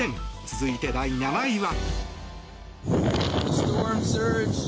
続いて、第７位は。